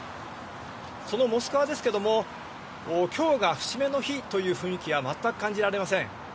そのモスクワですけれども、きょうが節目の日という雰囲気は、全く感じられません。